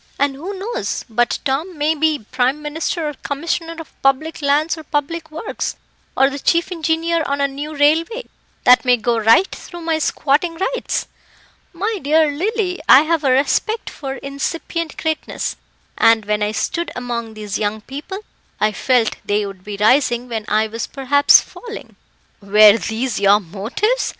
And who knows but Tom may be Prime Minister or Commissioner of Public Lands or Public Works, or the chief engineer on a new railway, that may go right through my squatting rights? My dear Lily, I have a respect for incipient greatness, and when I stood among these young people, I felt they would be rising when I was perhaps falling." "Were these your motives?"